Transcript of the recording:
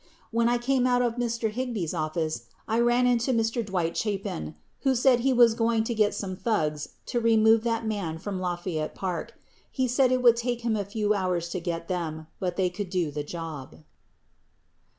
When I came out of Mr. Higby's office, I ran into Mr. Dwight Chapin who said that he was going to get some "thugs" to remove that man from Lafayette Park. He said it would take him a few hours to get them, but they could do the job.